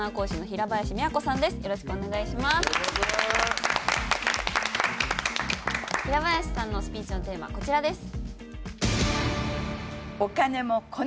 平林さんのスピーチのテーマはこちらです。